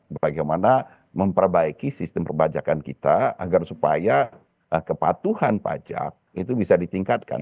bagaimana memperbaiki sistem perbajakan kita agar supaya kepatuhan pajak itu bisa ditingkatkan